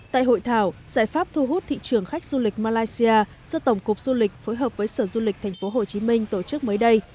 tại hội thảo giải pháp thu hút thị trường khách du lịch malaysia do tổng cục du lịch phối hợp với sở du lịch tp hcm tổ chức mới đây